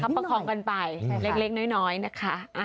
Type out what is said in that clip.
ประคองกันไปเล็กน้อยนะคะ